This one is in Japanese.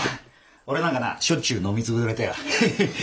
俺なんかなしょっちゅう飲みつぶれてら。